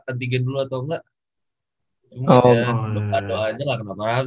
antigen dulu atau enggak